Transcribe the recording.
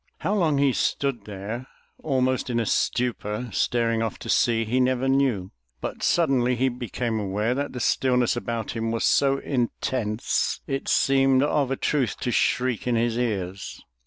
How long he stood there, almost in a stupor staring off to sea, he never knew, but suddenly he became aware that the stillness about him was so intense, it seemed of a truth to shriek in his ears.